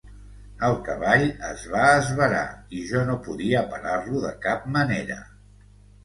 El cavall es va esverar i jo no podia parar-lo de cap manera.